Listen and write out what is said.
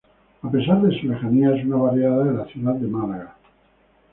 A pesar de su lejanía, es una barriada de la ciudad de Málaga.